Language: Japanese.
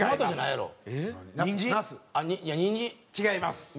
違います。